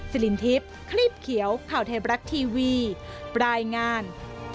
สิรินทิพย์คลีบเขียวข่าวไทยบรัฐทีวีรายงาน